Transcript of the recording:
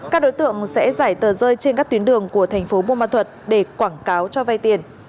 các đối tượng sẽ giải tờ rơi trên các tuyến đường của thành phố buôn ma thuật để quảng cáo cho vay tiền